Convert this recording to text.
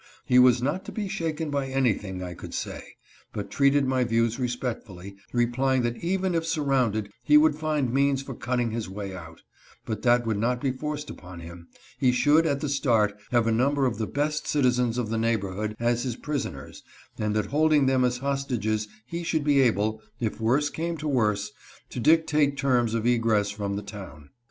He was not to be shaken by 390 LEAVES HIM AT CHAMBERSBURG. anything I could say, but treated my views respectfully, replying that even if surrounded he would find means for cutting his way out ; but that would not be forced upon him ; he should, at the start, have a number of the best citizens of the neighborhood as his prisoners and that hold ing them as hostages he should be able, if worse came to worse, to dictate terms of egress from the town.